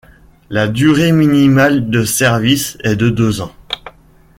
La durée minimale de Service est de deux ans.